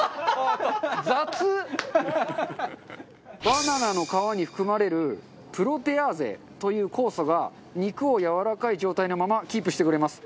バナナの皮に含まれるプロテアーゼという酵素が肉をやわらかい状態のままキープしてくれます。